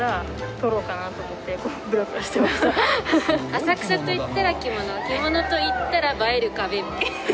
浅草といったら着物着物といったら映える壁。